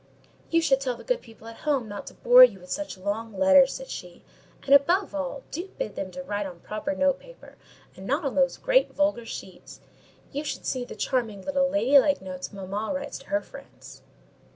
"You should tell the good people at home not to bore you with such long letters," said she; "and, above all, do bid them write on proper note paper, and not on those great vulgar sheets. You should see the charming little lady like notes mamma writes to her friends."